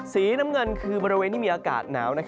สีน้ำเงินคือบริเวณที่มีอากาศหนาว